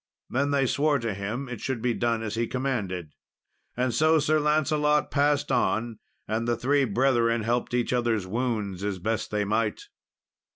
Then they swore to him it should be done as he commanded. And so Sir Lancelot passed on, and the three brethren helped each other's wounds as best they might.